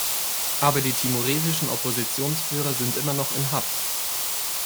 Aber die timoresischen Oppositionsführer sind immer noch in Haft.